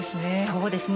そうですね。